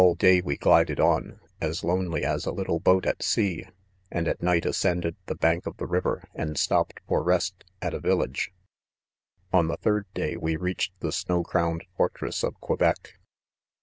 day we glided on, as lonely as a little boat at sea 3 and at night ascended the bank of the river, and stopped for rest at a village* * On the third day we reached the snow crowned fortress of Quebec.